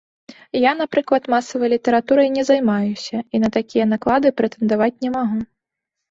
Я, напрыклад, масавай літаратурай не займаюся, і на такія наклады прэтэндаваць не магу.